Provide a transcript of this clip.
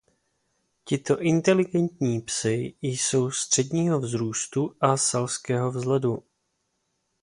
Tito inteligentní psi jsou středního vzrůstu a selského vzhledu.